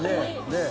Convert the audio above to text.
ねえ。